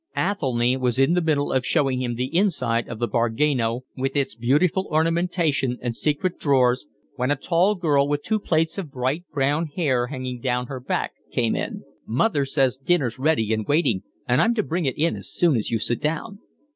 Athelny was in the middle of showing him the inside of the bargueno, with its beautiful ornamentation and secret drawers, when a tall girl, with two plaits of bright brown hair hanging down her back, came in. "Mother says dinner's ready and waiting and I'm to bring it in as soon as you sit down."